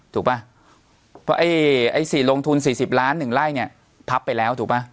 ถูกป่ะเพราะไอ้ไอ้สี่ลงทุนสี่สิบล้านหนึ่งไร่เนี้ยพับไปแล้วถูกป่ะ